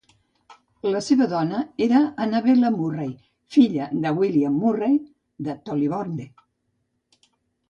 La seva dona era Annabella Murray, filla de William Murray, de Tullibardine.